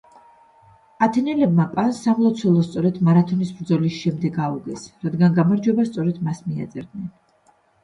ათენელებმა პანს სამლოცველო სწორედ მარათონის ბრძოლის შემდეგ აუგეს, რადგან გამარჯვებას სწორედ მას მიაწერდნენ.